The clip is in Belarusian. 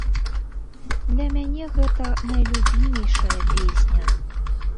Для мяне гэта найлюбімейшая песня.